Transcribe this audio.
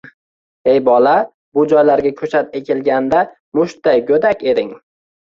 – Hey, bola, bu joylarga koʻchat ekilganda, mushtday goʻdak eding.